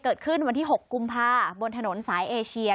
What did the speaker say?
เกิดขึ้นวันที่๖กุมภาบนถนนสายเอเชีย